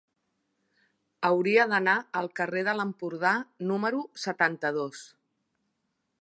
Hauria d'anar al carrer de l'Empordà número setanta-dos.